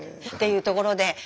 っていうところで。